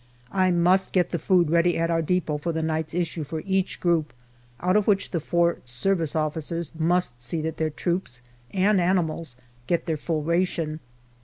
I must get the food ready at our depot for the night's issue for each group, out of which the four S.O.'s must see that their troops and animals get their full ration.